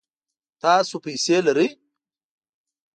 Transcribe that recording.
تاسو پیسې لرئ؟